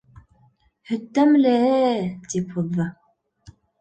«Һөт тәмле-е» тип һуҙҙы.